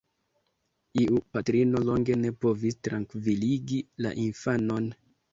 Iu patrino longe ne povis trankviligi la infanon.